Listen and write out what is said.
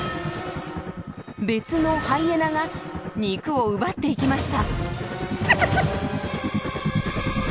別のハイエナが肉を奪っていきました。